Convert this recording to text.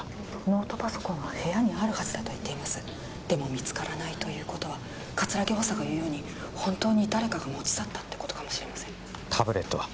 ノートパソコンは部屋にあるはずだと言っていますでも見つからないということは葛城補佐が言うように本当に誰かが持ち去ったってことかもしれませんタブレットは？